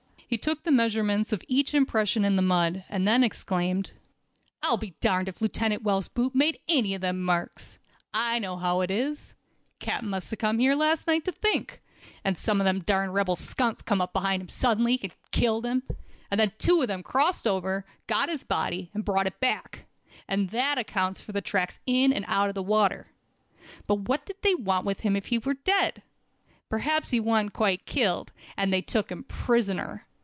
He took the measurement of each impression in the mud, and then exclaimed: "I'll be darned if Lieutenant Wells' boot made any of them marks! I know how it is. Captain must have come here last night to think, and some of them darn rebel skunks come up behind him suddenly, and killed him, and then two of them crossed over and got his body, and brought it back, and that accounts for the tracks in and out of the water. But what did they want with him if he was dead? Perhaps he wasn't quite killed, and they took him prisoner.